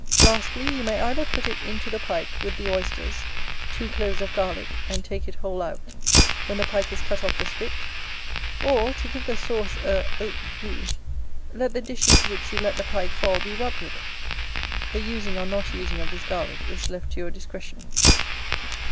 Lastly, you may either put it into the Pike, with the oysters, two cloves of garlick, and take it whole out, when the Pike is cut off the spit; or, to give the sauce a haut goût, let the dish into which you let the Pike fall be rubbed with it: The using or not using of this garlick is left to your discretion.